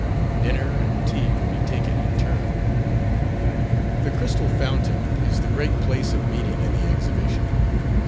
Dinner and tea would be taken in turn. The Crystal Fountain is the great place of meeting in the Exhibition.